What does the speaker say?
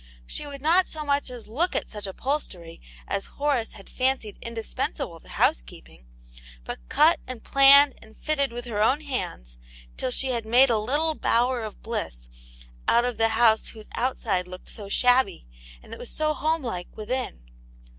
She would not so much as look at such upholstery as Horace had fancied indispensable to housekeeping, but cut and planned and fitted with her own hands till she had made a little bower of bliss out of the house whose outside looked so shabby and that was so homelike within.